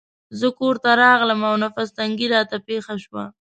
زه کورته راغلم او نفس تنګي راته پېښه شوه.